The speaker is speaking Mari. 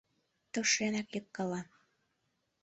Тыршенак йыгкала.